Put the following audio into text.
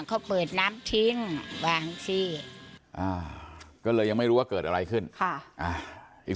เขาเปิดน้ำทิ้งบางสิก็เลยยังไม่รู้ว่าเกิดอะไรขึ้นอีก